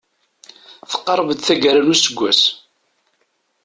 Teqreb-d taggara n useggas.